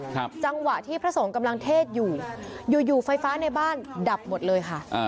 จังหวะที่พระสงฆ์กำลังเทศอยู่อยู่ไฟฟ้าในบ้านดับหมดเลยค่ะอ่า